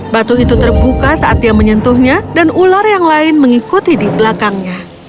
batu itu terbuka saat dia menyentuhnya dan ular yang lain mengikuti di belakangnya